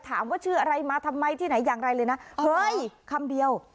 ถามว่าชื่ออะไรมาทำไมที่ไหนอย่างไรเลยนะเฮ้ยคำเดียว